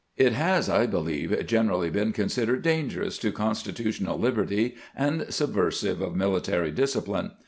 It has, I believe, generally been considered dangerous to constitutional liberty and subversive of military discipline.